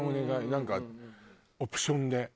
なんかオプションで。